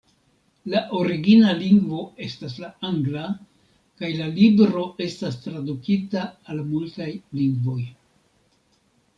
La origina lingvo estas la angla, kaj la libro estas tradukita al multaj lingvoj.